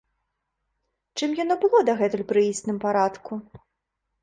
Чым яно было дагэтуль пры існым парадку?